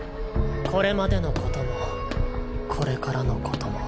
これまでのこともこれからのことも。